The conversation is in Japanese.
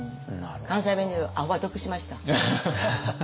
関西弁で言うアホは得しました。